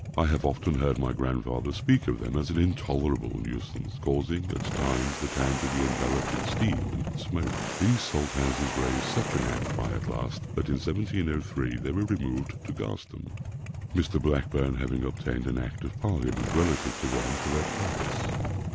I have often heard my grandfather speak of them as an intolerable nuisance, causing, at times, the town to be enveloped in steam and smoke. These Salt houses raised such an outcry at last that in 1703 they were removed to Garston, Mr. Blackburne having obtained an act of Parliament relative to them for that purpose.